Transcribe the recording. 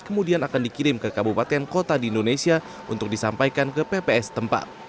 kemudian akan dikirim ke kabupaten kota di indonesia untuk disampaikan ke pps tempat